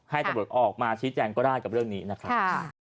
ให้ตำรวจออกมาชี้แจงก็ได้กับเรื่องนี้นะครับ